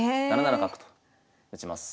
７七角と打ちます。